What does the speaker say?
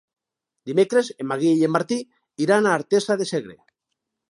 Dimecres en Magí i en Martí iran a Artesa de Segre.